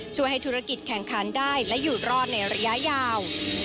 ช่วยให้ธุรกิจแข่งขันได้และอยู่รอดในระยะยาว